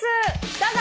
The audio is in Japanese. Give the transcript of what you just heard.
どうぞ！